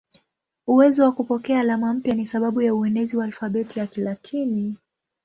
Uwezo wa kupokea alama mpya ni sababu ya uenezi wa alfabeti ya Kilatini.